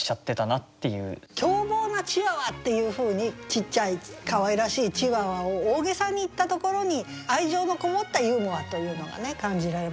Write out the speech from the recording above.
「凶暴なチワワ」っていうふうにちっちゃいかわいらしいチワワを大げさに言ったところに愛情のこもったユーモアというのがね感じられますよね。